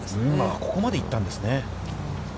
ここまで行ったんですよね。